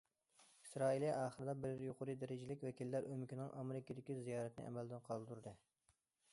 ئىسرائىلىيە ئاخىرىدا بىر يۇقىرى دەرىجىلىك ۋەكىللەر ئۆمىكىنىڭ ئامېرىكىدىكى زىيارىتىنى ئەمەلدىن قالدۇردى.